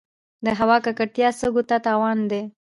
د هوا ککړتیا سږو ته تاوان دی.